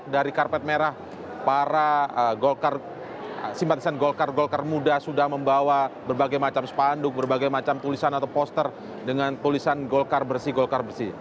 dari karpet merah para simpatisan golkar golkar muda sudah membawa berbagai macam spanduk berbagai macam tulisan atau poster dengan tulisan golkar bersih golkar bersih